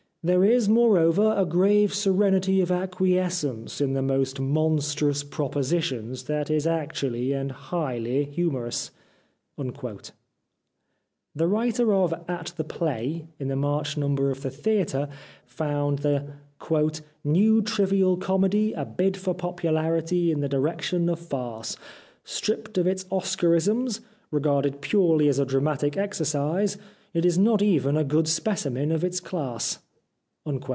There is, moreover, a grave serenity of acquiescence in the most mon strous propositions that is actually and highly humorous." The writer of "At The Play " in the March number of The Theatre found the " new trivial comedy * a bid for popularity in the direction of farce.' Stripped of its ' Oscarisms '— regarded 33° The Life of Oscar Wilde purely as a dramatic exercise — it is not even a good specimen of its class."